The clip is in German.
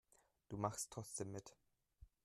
Du machst trotzdem mit.